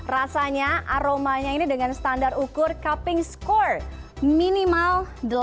rasanya aromanya ini dengan standar ukur cupping score minimal delapan